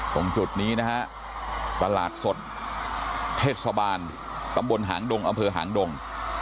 ตรงจุดนี้นะฮะตลาดสดเทศบาลตำบลหางดงอำเภอหางดง